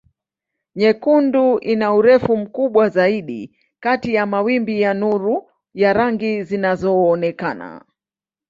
Nyekundu ina urefu mkubwa zaidi kati ya mawimbi ya nuru ya rangi zinazoonekana.